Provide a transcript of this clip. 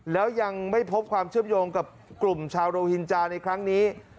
แล้วยังไม่พบความเชื่อมโยงกับกลุ่มชาวโรฮินจาในครั้งนี้